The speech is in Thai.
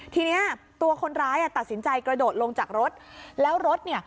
ทีนี้ตัวคนร้ายอ่ะตัดสินใจกระโดดลงจากรถแล้วรถเนี่ย